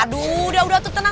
aduh udah udah